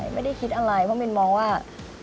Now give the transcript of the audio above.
ไม่ได้คิดอะไรเพราะมินมองว่า